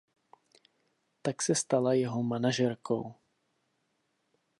Tak se stala jeho manažerkou.